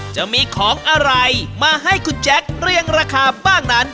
จะมีของอะไรมาให้คุณแจ๊คเรียงราคาบ้างนั้น